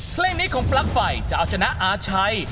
เพลงนี้ของปลั๊กไฟจะเอาชนะอาชัย